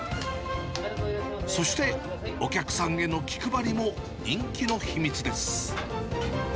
そして、お客さんへの気配りも人気の秘密です。